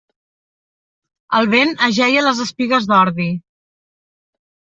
El vent ajeia les espigues d'ordi.